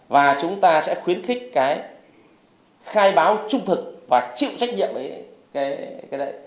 và chúng ta sẽ khuyến khích cái khai báo trung thực và chịu trách nhiệm với cái đấy